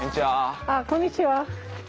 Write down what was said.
あっこんにちは。